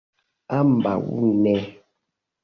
Ambaŭ ne.